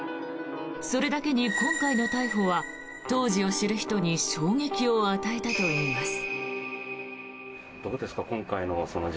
それだけに今回の逮捕は当時を知る人に衝撃を与えたといいます。